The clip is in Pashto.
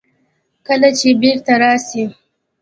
کله به بېرته راسي.